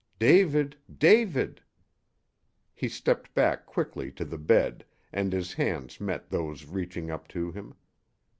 "David David " He stepped back quickly to the bed and his hands met those reaching up to him.